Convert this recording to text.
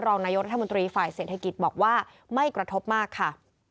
รองนายกรัฐมนตรีฝ่ายเศรษฐกิจบอกว่าไม่กระทบมากค่ะ